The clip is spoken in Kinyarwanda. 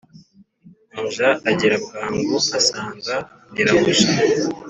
umuja agira bwangu asanga nyirabuja